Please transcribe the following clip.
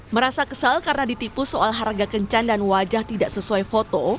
merasa kesal karena ditipu soal harga kencan dan wajah tidak sesuai foto